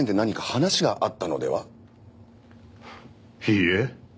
いいえ。